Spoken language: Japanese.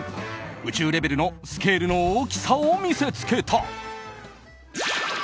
宇宙レベルのスケールの大きさを見せつけた。